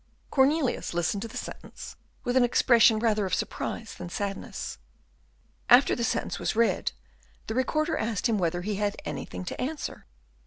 Cornelius listened to the sentence with an expression rather of surprise than sadness. After the sentence was read, the Recorder asked him whether he had anything to answer.